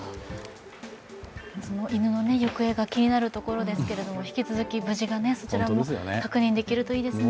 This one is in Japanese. その犬の行方が気になるところですが引き続き無事がそちらも確認できるといいですね。